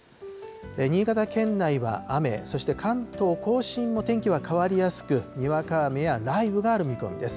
新潟県内は雨、そして関東甲信も天気は変わりやすく、にわか雨や雷雨がある見込みです。